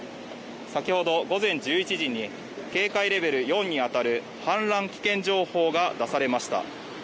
先ほど午前１１時に警戒レベル４にあたる氾濫危険情報が出されました